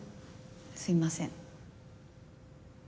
すいません。